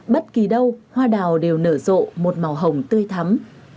bất kỳ đâu hoa đào đều nở rộ một màu hồng tươi thắm